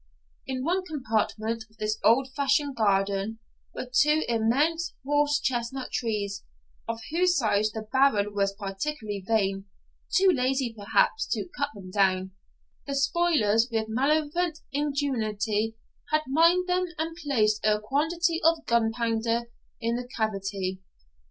In one compartment of this old fashioned garden were two immense horse chestnut trees, of whose size the Baron was particularly vain; too lazy, perhaps, to cut them down, the spoilers, with malevolent ingenuity, had mined them and placed a quantity of gunpowder in the cavity.